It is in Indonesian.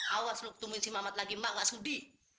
awas lu ketumbuhin si mamat lagi ma enggak sudi